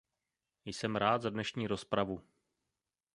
Jsem rád za dnešní rozpravu.